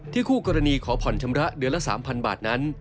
คู่กรณีขอผ่อนชำระเดือนละ๓๐๐บาทนั้น